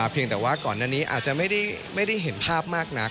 เพียงแต่ว่าก่อนหน้านี้อาจจะไม่ได้เห็นภาพมากนัก